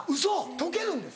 溶けるんです。